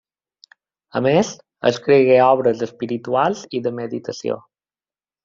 A més, escrigué obres espirituals i de meditació.